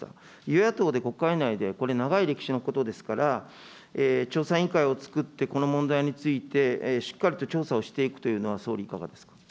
与野党で国会内で、これ、長い歴史のことですから、調査委員会を作って、この問題についてしっかりと調査をしていくというのは、総理、いかがですか。